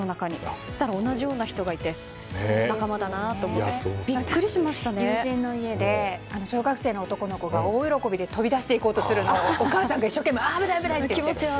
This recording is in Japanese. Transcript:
そしたら同じような人がいて友人の家で小学生の男の子が、大喜びで飛び出していこうとするのをお母さんが一生懸命危ない危ないって。